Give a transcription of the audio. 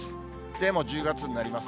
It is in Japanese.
で、もう１０月になります。